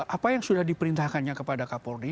apa yang sudah diperintahkannya kepada kapolri